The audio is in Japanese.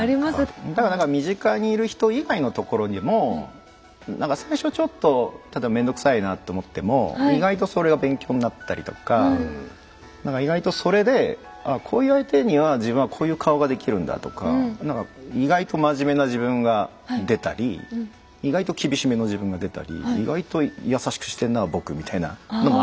だからなんか身近にいる人以外のところにも最初ちょっと例えば面倒くさいなと思っても意外とそれが勉強になったりとかなんか意外とそれで「こういう相手には自分はこういう顔ができるんだ」とかなんか意外と真面目な自分が出たり意外と厳しめの自分が出たり意外と優しくしてんな僕みたいなのもあったりとか。